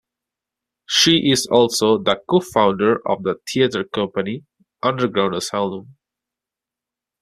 She is also the co-founder of the theater company Underground Asylum.